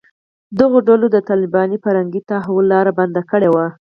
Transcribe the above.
دغو ډلو د طالباني فرهنګي تحول لاره بنده کړې ده